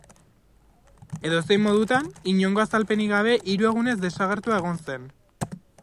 Edozein modutan, inongo azalpenik gabe hiru egunez desagertua egon zen.